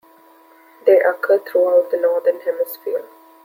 They occur throughout the Northern Hemisphere.